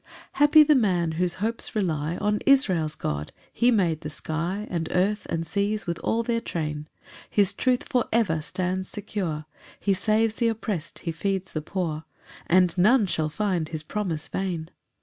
3 Happy the man whose hopes rely On Israel's God: he made the sky, And earth and seas with all their train; His truth for ever stands secure; He saves th' opprest, he feeds the poor, And none shall find his promise vain.